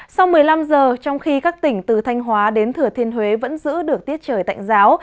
sau một mươi năm giờ trong khi các tỉnh từ thanh hóa đến thừa thiên huế vẫn giữ được tiết trời tạnh giáo